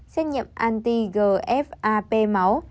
xét nhiệm anti gfap máu